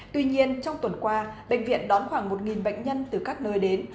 tuy nhiên trong tuần qua bệnh viện đón khoảng một bệnh nhân từ các nơi đến